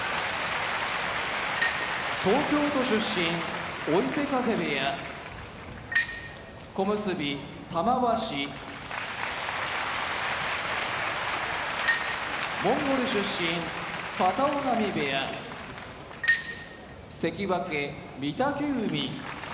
東京都出身追手風部屋小結・玉鷲モンゴル出身片男波部屋関脇・御嶽海